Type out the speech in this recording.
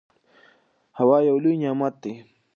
هوا یو لوی نعمت دی.